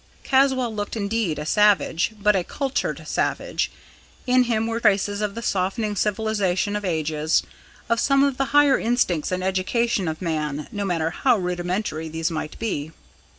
Caswall looked indeed a savage but a cultured savage. In him were traces of the softening civilisation of ages of some of the higher instincts and education of man, no matter how rudimentary these might be.